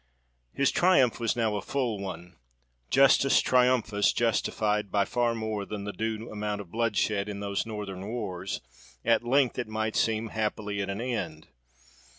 His triumph was now a "full" one—Justus Triumphus justified, by far more than the due amount of bloodshed in those Northern wars, at length, it might seem, happily at an end.